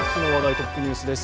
トップニュースです。